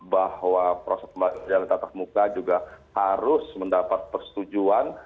bahwa proses belajar tatap muka juga harus mendapat persetujuan